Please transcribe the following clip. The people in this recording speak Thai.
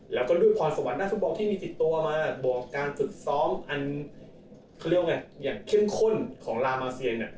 แล้วก็ด้วยพรสวรรค์ด้านฟุตบอลที่มีติดตัวมาบอกการศึกซ้อมอันเข้มข้นของลามาเซีย